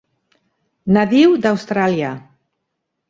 Nadiu d'Austràlia.